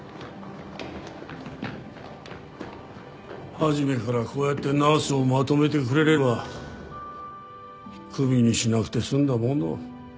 初めからこうやってナースをまとめてくれればクビにしなくて済んだものを。